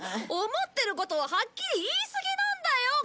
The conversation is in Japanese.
思ってることをはっきり言いすぎなんだよ